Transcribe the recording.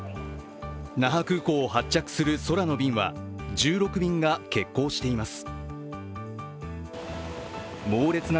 那覇空港を発着する空の便は１６便が欠航しています。